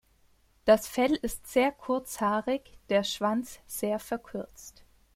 Das Fell ist sehr kurzhaarig, der Schwanz sehr verkürzt.